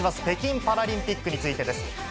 北京パラリンピックについてです。